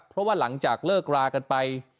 เพราะว่าหลังจากเลิกรากันไป